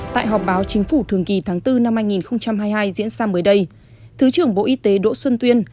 tại họp báo chính phủ thường kỳ tháng bốn năm hai nghìn hai mươi hai diễn ra mới đây thứ trưởng bộ y tế đỗ xuân tuyên